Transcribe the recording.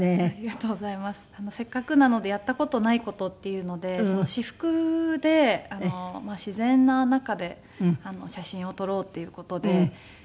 せっかくなのでやった事ない事っていうので私服で自然な中で写真を撮ろうっていう事で。